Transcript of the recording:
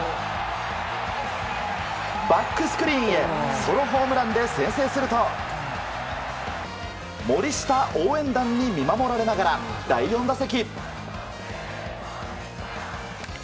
バックスクリーンへソロホームランで先制すると森下応援団に見守られながら第４打席。